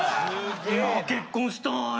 結婚したい。